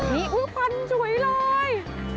นี่อุ๊ยพันธุ์สวยเลย